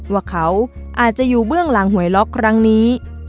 ว่าเขาอาจจะอยู่เบื้องหลังหวยล็อกครั้งนี้